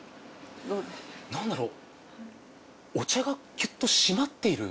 なんだろうお茶がキュッと締まっている。